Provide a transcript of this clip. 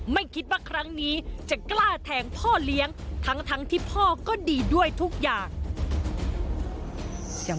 ไม่คิดว่าครั้งนี้จะกล้าแทงพ่อเลี้ยงทั้งที่พ่อก็ดีด้วยทุกอย่าง